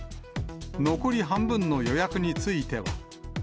残り半分の予約については。